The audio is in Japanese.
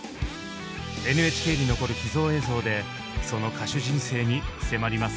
ＮＨＫに残る秘蔵映像でその歌手人生に迫ります。